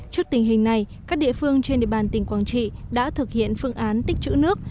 trước tình hình này các địa phương trên địa bàn tỉnh quảng trị đã thực hiện phương án tích chữ nước